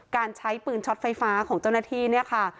การใช้ปืนช็อตไฟฟ้าของเจ้าหน้าที่เนี่ยค่ะ